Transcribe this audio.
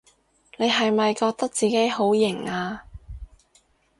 你係咪覺得自己好型吖？